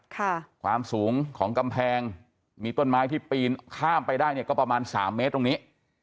ความสูงของกำแพงมีต้นไม้ที่ปีนข้ามไปได้เนี่ยก็ประมาณสามเมตรตรงนี้